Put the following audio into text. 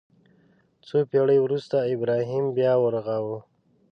څو پېړۍ وروسته ابراهیم بیا ورغاوه.